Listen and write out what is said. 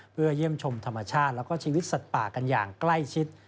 เพื่อเยี่ยมชมธรรมชาติแล้วก็ชีวิตสัตว์ป่ากันอย่างใกล้ชิด